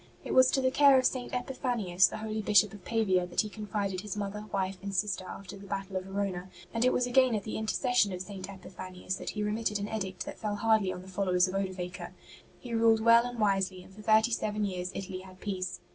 It was to the care of St. Epiphanius, the holy Bishop of Pavia, that he confided his mother, wife and sister after the battle of Verona; and it was again at the inter cession of St. Epiphanius that he remitted an edict that fell hardly on the followers of Odovaker. He ruled well and wisely, and for thirty seven years Italy had peace.